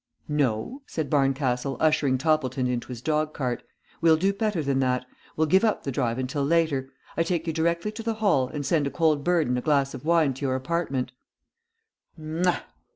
"No," said Barncastle, ushering Toppleton into his dog cart. "We'll do better than that. We'll give up the drive until later. I take you directly to the Hall, and send a cold bird and a glass of wine to your apartment."